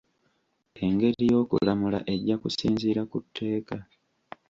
Engeri y'okulamula ejja kusinziira ku tteeka.